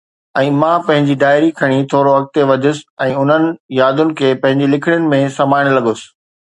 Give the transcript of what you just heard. ۽ مان پنهنجي ڊائري کڻي ٿورو اڳتي وڌيس ۽ انهن يادن کي پنهنجي لکڻين ۾ سمائڻ لڳس